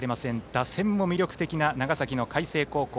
打線も魅力的な長崎の海星高校。